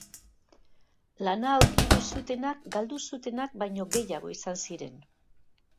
Lana aurkitu zutenak galdu zutenak baino gehiago izan ziren.